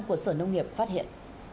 của bộ sở nông nghiệp phát hiện